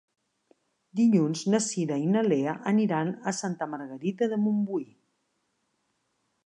Dilluns na Cira i na Lea aniran a Santa Margarida de Montbui.